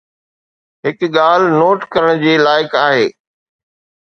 هڪ ڳالهه نوٽ ڪرڻ جي لائق آهي.